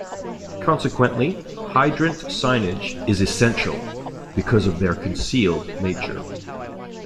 Consequently, hydrant signage is essential, because of their concealed nature.